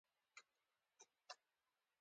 د غوربند پۀ ډهيرۍ کلي کښې پيدا شو ۔